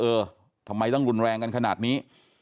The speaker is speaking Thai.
เออทำไมต้องรุนแรงกันขนาดนี้